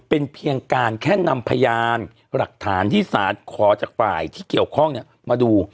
เป็นเพียงการแค่นำพยานหลักฐานที่สารขอจากฝ่ายที่เกี่ยวข้องมาดู